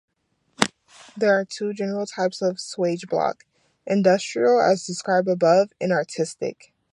There are two general types of swage block: Industrial, as described above, and Artistic.